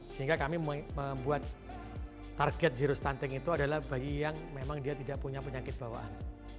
sehingga kami membuat target zero stunting itu adalah bayi yang memang dia tidak punya penyakit bawaan